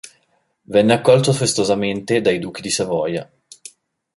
Venne accolto festosamente dai duchi di Savoia.